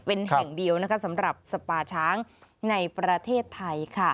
เป็นแห่งเดียวสำหรับสปาช้างในประเทศไทย